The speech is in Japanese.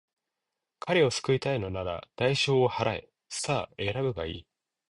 彼を救いたいのなら、代償を払え。さあ、選ぶがいい。